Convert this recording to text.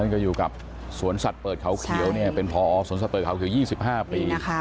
ก็อยู่กับสวนชัดเปิดเขาเขียวเป็นพอสวนชัดเปิดเขาเขียว๒๕ปี